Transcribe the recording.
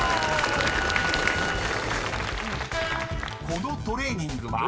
［このトレーニングは？］